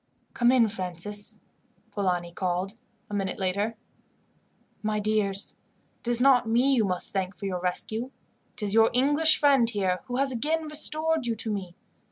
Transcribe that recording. "Come in, Francis," Polani called a minute later. "My dears, it is not me you must thank for your rescue. It is your English friend here who has again restored you to me.